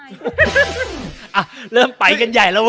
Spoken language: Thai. อ่ะเริ่มไปกันใหญ่แล้ววะ